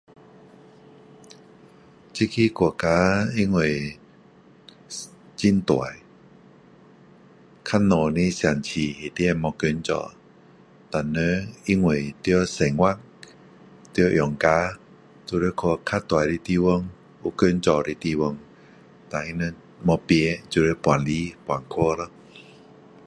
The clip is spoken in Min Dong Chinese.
这个国家因为很大比较小的的城市里面没有工做但人因为要生活要养家就要去比较大的国家的地方有工做的地方然后他们没有便就要搬来搬去咯